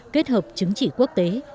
đáng chỉ quốc tế